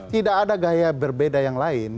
tidak ada gaya berbeda yang lain